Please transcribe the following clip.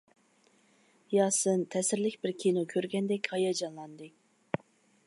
ياسىن تەسىرلىك بىر كىنو كۆرگەندەك ھاياجانلاندى.